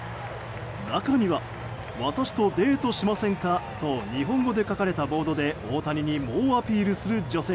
中には私とデートしませんか？と日本語で書かれたボードで大谷に猛アピールする女性。